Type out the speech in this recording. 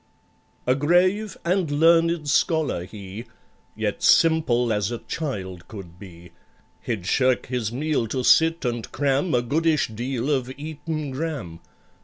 A grave and learned scholar he, Yet simple as a child could be. He'd shirk his meal to sit and cram A goodish deal of Eton Gram.